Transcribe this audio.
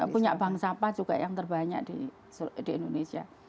punya bank sampah juga yang terbanyak di indonesia